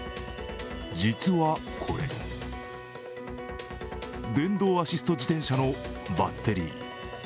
実はこれ、電動アシスト自転車のバッテリー。